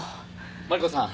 マリコさん。